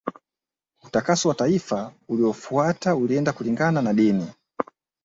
Utakaso wa taifa uliofuata ulienda kulingana na dini